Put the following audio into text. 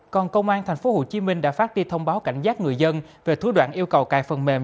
còn công an tp hcm đã phát đi thông báo cảnh giác người dân về thú đoạn yêu cầu cài phần mềm